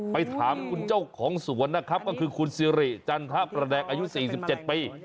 ไปถามคุณเจ้าของสวนนะครับก็คือคุณสิริจันทะประแดงอายุ๔๗ปี